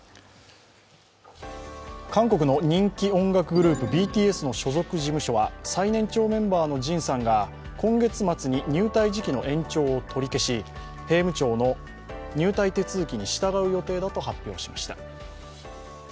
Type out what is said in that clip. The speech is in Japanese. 韓国の人気音楽グループＢＴＳの所属事務所は最年長メンバーのＪＩＮさんが今月末に入隊時期の延長を取り消し兵務庁の入隊手続きに従う予定だと発表しました。